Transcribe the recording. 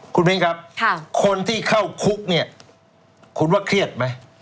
คุณมิ้นครับคนที่เข้าคุกเนี่ยคุณว่าเครียดไหม